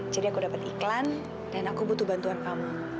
jadi aku dapat iklan dan aku butuh bantuan kamu